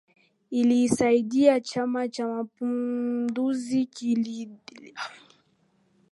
iliisaidia Chama cha mapinduzi kujadiliwa tena na wananchi wengi wakianza kuona kuwa kumbe hata